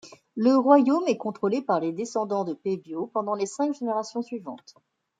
Le royaume est contrôlé par les descendants de Pebiau pendant les cinq générations suivantes.